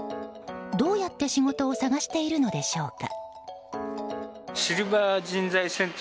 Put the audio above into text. どうやって仕事を探しているのでしょうか。